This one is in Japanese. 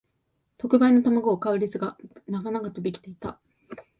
特売の玉子を買う列が長々と出来ていた